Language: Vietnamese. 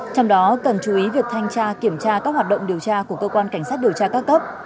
trong đó cần chú ý việc thanh tra kiểm tra các hoạt động điều tra của cơ quan cảnh sát điều tra các cấp